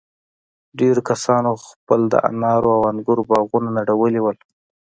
ډېرو کسانو خپل د انارو او انگورو باغونه نړولي وو.